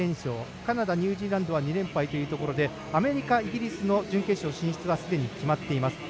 カナダ、ニュージーランドは２連敗というところでアメリカ、イギリスの準決勝進出はすでに決まっています。